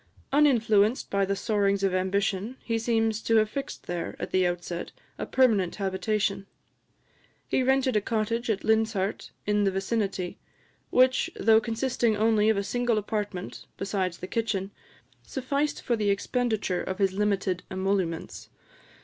Uninfluenced by the soarings of ambition, he seems to have fixed here, at the outset, a permanent habitation: he rented a cottage at Linshart in the vicinity, which, though consisting only of a single apartment, besides the kitchen, sufficed for the expenditure of his limited emoluments.